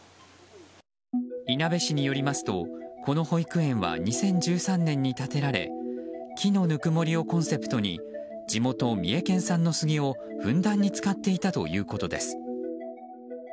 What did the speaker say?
いなべ市によりますとこの保育園は２０１３年に建てられ木のぬくもりをコンセプトに地元・三重県産のスギをふんだんに使っていたということです。